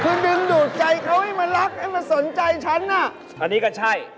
คือดึงดูดใจเขาให้มารักให้มาสนใจฉันน่ะอันนี้ก็ใช่